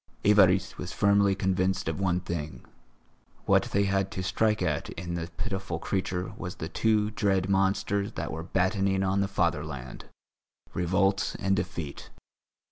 Évariste was firmly convinced of one thing, what they had to strike at in the pitiful creature was the two dread monsters that were battening on the fatherland, revolt and defeat.